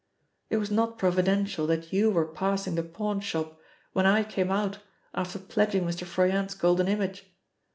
It was not providential that you were passing the pawnshop when I came out after pledging Mr. Froyant's golden image.